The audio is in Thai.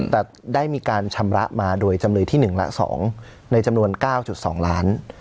แต่ได้มีการชำระมาโดยจำเลยที่๑และ๒ในจำนวน๙๒ล้าน